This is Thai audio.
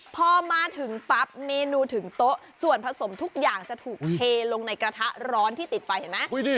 พอมาถึงปั๊บเมนูถึงโต๊ะส่วนผสมทุกอย่างจะถูกเทลงในกระทะร้อนที่ติดไฟเห็นไหม